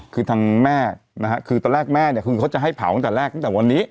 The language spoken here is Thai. คือทางแม่นะฮะคือตอนแรกแม่เนี่ยคือเขาจะให้เผาตั้งแต่แรกตั้งแต่วันนี้